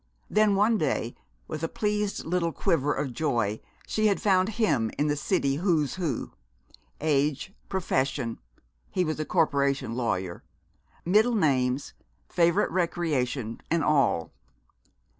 Then, one day, with a pleased little quiver of joy, she had found him in the city Who's Who, age, profession (he was a corporation lawyer), middle names, favorite recreation, and all.